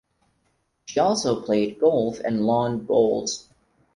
She also played golf and lawn bowls.